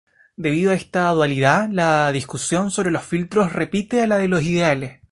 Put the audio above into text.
Debido a esta dualidad la discusión sobre los filtros repite la de los ideales.